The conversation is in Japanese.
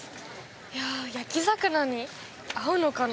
いや焼き魚に合うのかな？